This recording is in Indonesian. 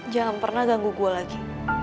jangan pernah ganggu gue lagi